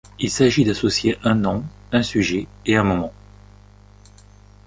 Il s’agit d’associer un nom, un sujet et un moment.